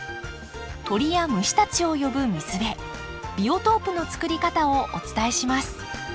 鳥や虫たちを呼ぶ水辺ビオトープのつくり方をお伝えします。